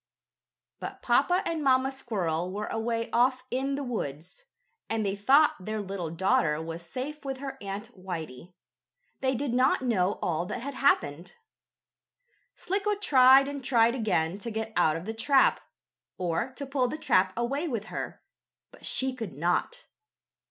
But Papa and Mamma Squirrel were away off in the woods, and they thought their little daughter was safe with her Aunt Whitey. They did not know all that had happened. Slicko tried and tried again to get out of the trap, or to pull the trap away with her, but she could not.